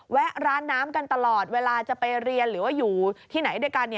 แวะร้านน้ำกันตลอดเวลาจะไปเรียนหรือว่าอยู่ที่ไหนด้วยกัน